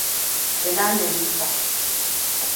Ina Melissa?